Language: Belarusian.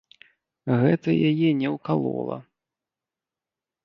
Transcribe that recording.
Гэта яе не ўкалола.